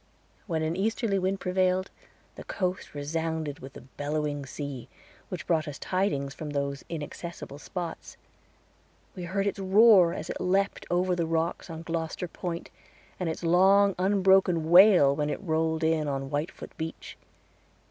When an easterly wind prevailed, the coast resounded with the bellowing sea, which brought us tidings from those inaccessible spots. We heard its roar as it leaped over the rocks on Gloster Point, and its long, unbroken wail when it rolled in on Whitefoot Beach.